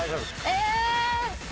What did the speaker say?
え！